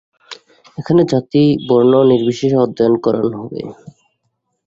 এখানে জাতিবর্ণ-নির্বিশেষে অধ্যয়ন করান হবে।